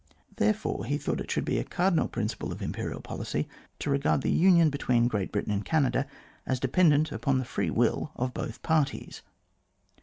Therefore he thought that it should be a cardinal principle of Imperial policy to regard the union between Great Britain and Canada as dependent upon the free will of both parties.